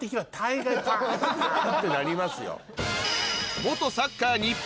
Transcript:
ってなりますよ。